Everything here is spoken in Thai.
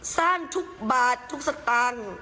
สร้างทุกบาททุกสตางค์